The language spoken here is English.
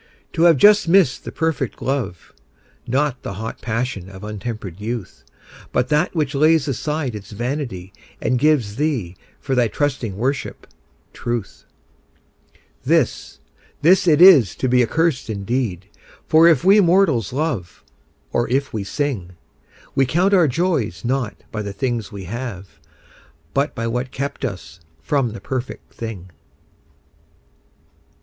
To have just missed the perfect love, Not the hot passion of untempered youth, But that which lays aside its vanity And gives thee, for thy trusting worship, truth— This, this it is to be accursed indeed; For if we mortals love, or if we sing, We count our joys not by the things we have, But by what kept us from the perfect thing.